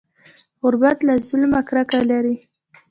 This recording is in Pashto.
غریب له ظلمه کرکه لري